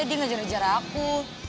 dia ngajar ajar aku